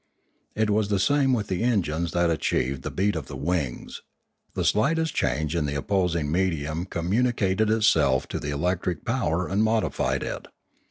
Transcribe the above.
It was the same with the engines that achieved the beat of the vtings; the slightest change in the opposing medium commun icated itself to the electric power and modified it.